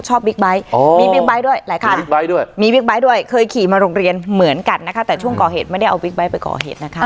มีบิ๊กไบท์ด้วยมีบิ๊กไบท์ด้วยเคยขี่มาโรงเรียนเหมือนกันนะคะแต่ช่วงก่อเหตุไม่ได้เอาบิ๊กไบท์ไปก่อเหตุนะคะ